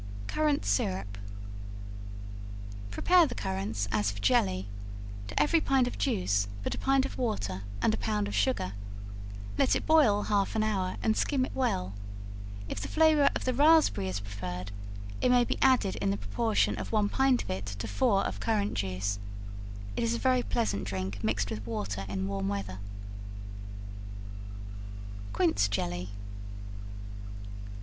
Currant Syrup. Prepare the currants as for jelly; to every pint of juice put a pint of water and a pound of sugar; let it boil half an hour and skim it well; if the flavor of the raspberry is preferred, it may be added in the proportion of one pint of it to four of currant juice. It is a very pleasant drink mixed with water in warm weather. Quince Jelly.